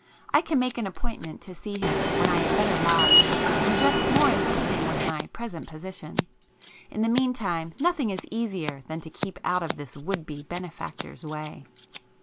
I can make an appointment to see him when I am better lodged, and dressed more in keeping with my present position,—in the meantime, nothing is easier than to keep out of this would be benefactor's way."